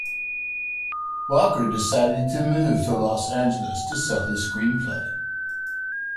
Walker decided to move to Los Angeles to sell his screenplay.